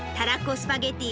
スパゲティ